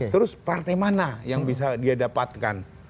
terus partai mana yang bisa dia dapatkan